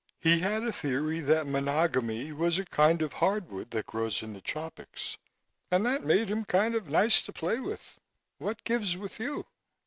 He had a theory that monogamy was a kind of hardwood that grows in the tropics, and that made him kind of nice to play with. What gives with you?"